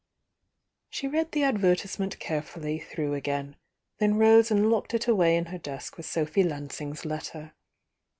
,„.. She read the advertisement carefully through again, then rose and locked it away in her desk with Sophy Lansing's letter.